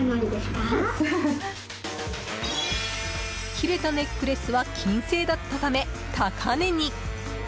切れたネックレスは金製だったため、高値に。